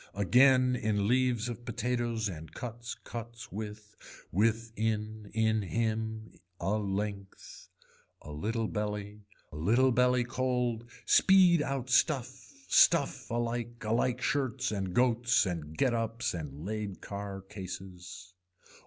Again in leaves of potatoes and cuts, cuts with, with in, in him, a length. A little belly a little belly cold, speed out stuff, stuff alike, alike shirts and goats and get ups and laid car cases.